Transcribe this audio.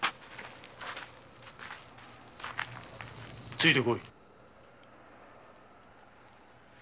ついて来い。